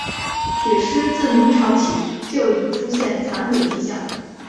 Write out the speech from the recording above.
铁狮自明朝起就已出现残毁迹象。